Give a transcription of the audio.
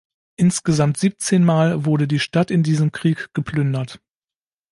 Insgesamt siebzehn Mal wurde die Stadt in diesem Krieg geplündert.